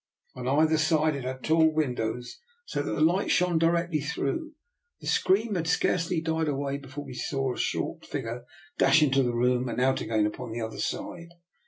On either side it had tall win dows, so that the light shone directly through. The scream had scarcely died away before we distinctly saw a short figure dash into the room, and out again upon the other side.